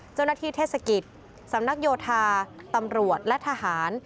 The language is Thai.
เจ้าหน้าที่เทศกิจสำนักโยทาตำรวจและทหาร